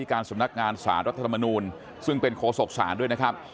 การสำนักงานสารรัฐธรรมนูลซึ่งเป็นโคศกศาลด้วยนะครับ